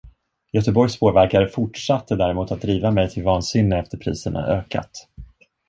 Göteborgs spårvägar fortsatte däremot att driva mej till vansinne efter priserna ökat.